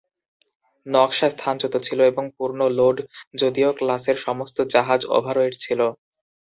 নকশা স্থানচ্যুত ছিল এবং পূর্ণ লোড, যদিও ক্লাসের সমস্ত জাহাজ ওভারওয়েট ছিল।